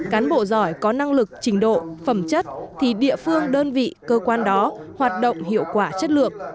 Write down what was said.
cán bộ giỏi có năng lực trình độ phẩm chất thì địa phương đơn vị cơ quan đó hoạt động hiệu quả chất lượng